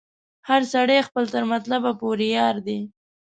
هر سړی خپل تر مطلب پوري یار دی